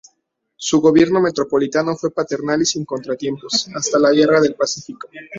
Su gobierno metropolitano fue paternal y sin contratiempos hasta la Guerra del Pacífico.